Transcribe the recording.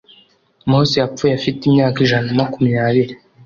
mose yapfuye afite imyaka ijana na makumyabiri